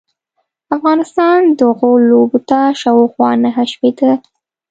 افغانستان دغو لوبو ته شاوخوا نهه شپیته ل